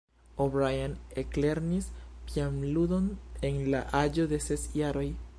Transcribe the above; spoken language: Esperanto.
O’Brien eklernis pianludon en la aĝo de ses jaroj.